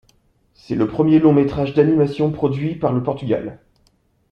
C'est le premier long métrage d'animation produit par le Portugal.